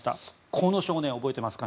この少年、覚えてますか。